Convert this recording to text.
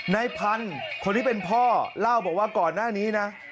ในพันธุ์คนที่เป็นพ่อเล่าบอกว่าก่อนหน้านี้นะ